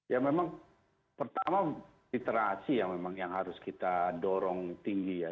ya memang pertama literasi yang memang yang harus kita dorong tinggi ya